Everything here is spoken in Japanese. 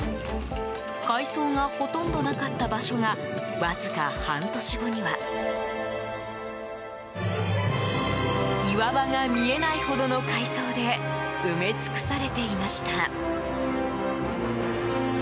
海藻がほとんどなかった場所がわずか半年後には岩場が見えないほどの海藻で埋め尽くされていました。